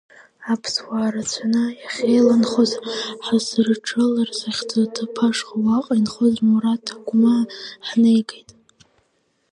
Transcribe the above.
Аԥсуаа рацәаны иахьеиланхоз Ҳасырџылар зыхьӡу аҭыԥ ашҟа уаҟа инхоз Мураҭ Агәмаа ҳнеигеит.